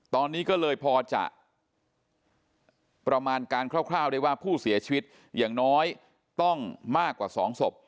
ตอนนี้ก็เลยพอจะประมาณการคร่าวได้ว่าผู้เสียชีวิตอย่างน้อยต้องมากกว่า๒ศพ